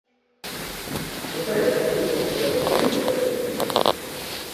Son père est resté au Portugal en tant qu'ambassadeur.